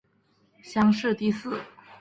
乡试第四。